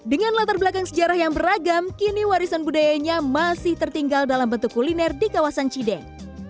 dengan latar belakang sejarah yang beragam kini warisan budayanya masih tertinggal dalam bentuk kuliner di kawasan cideng